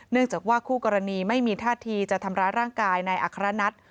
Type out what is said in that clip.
เนื่องจากว่าคู่กรณีไม่มีท่าทีจะทำร้ายร่างกายในอัครณัฐ